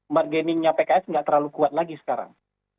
bargainingnya pks tidak terlalu kuat lagi sekarang